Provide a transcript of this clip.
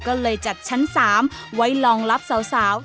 ก็เลยจัดชั้น๓ไว้รองรับสาว